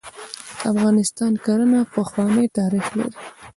د افغانستان کرهڼه پخوانی تاریخ لري .